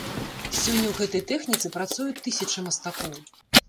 Сёння ў гэтай тэхніцы працуюць тысячы мастакоў.